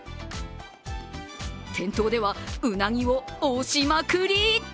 店頭ではうなぎを推しまくり！